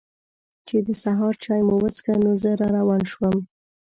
چې د سهار چای مو وڅښه نو زه را روان شوم.